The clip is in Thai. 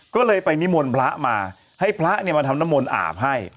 ก็เลยไปนิมนต์พระมาให้พระเนี่ยมาทำน้ำมนต์อาบให้